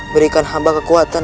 berikan hamba kekuatan